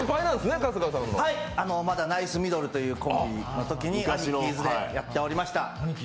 まだナイスミドルというコンビのときにアニキーズでやってました。